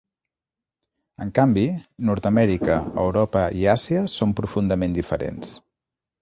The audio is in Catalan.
En canvi, Nord-amèrica, Europa i Àsia són profundament diferents.